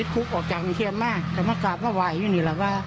ครอบคร่าว